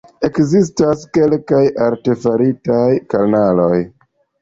Ekzistas kelkaj artefaritaj kanaloj.